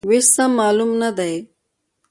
وېش سم معلوم نه دی.